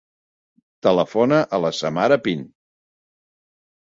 Telefona a la Samara Pin.